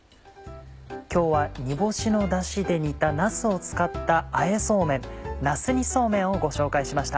今日は煮干しのダシで煮たなすを使ったあえそうめん「なす煮そうめん」をご紹介しました。